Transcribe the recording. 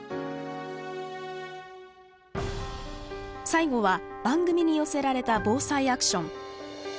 最後は番組に寄せられた防災アクション。